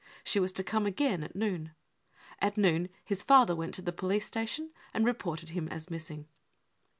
She was to come again at noon. At noon his father # went to the police station and reported him as missing.